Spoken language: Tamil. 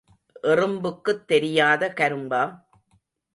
எறும்புக்குத் தெரியாத கரும்பா?